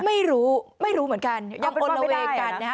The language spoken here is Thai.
ไม่รู้ไม่รู้เหมือนกันยังเอาเป็นความไม่ได้กันนะฮะ